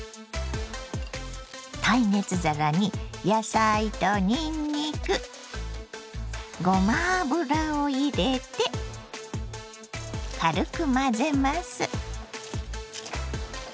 耐熱皿に野菜とにんにくごま油を入れて軽く混ぜます。